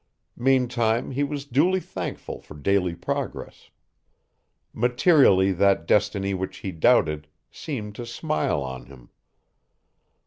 Meantime he was duly thankful for daily progress. Materially that destiny which he doubted seemed to smile on him.